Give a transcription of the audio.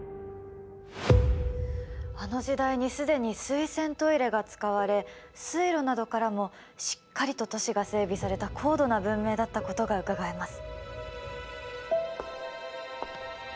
あの時代にすでに水洗トイレが使われ水路などからもしっかりと都市が整備された高度な文明だったことがうかがえます。